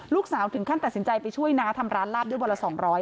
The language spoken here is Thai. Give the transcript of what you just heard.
ลูกสาวถึงขั้นตัดสินใจไปช่วยน้าทำร้านลาบด้วยวันละ๒๐๐